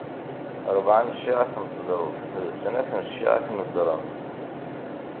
Rebεa n cciεat n teẓruft d Snat n cciεat n udrenz.